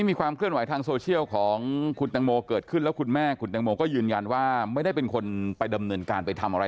มีความเคลื่อนไหวทางโซเชียลของคุณแม่ก็ยืนยันว่าไม่ได้เป็นคนไปดำเนินการไปทำอะไร